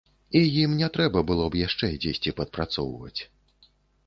І ім не трэба было б яшчэ дзесьці падпрацоўваць.